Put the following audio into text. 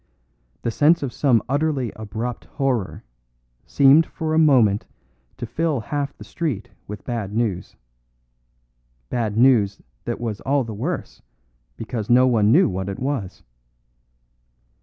The sense of some utterly abrupt horror seemed for a moment to fill half the street with bad news bad news that was all the worse because no one knew what it was.